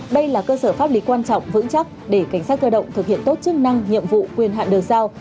đây là cơ sở pháp lý quan trọng vững chắc để cảnh sát cơ động thực hiện tốt chức năng nhiệm vụ quyền hạn được giao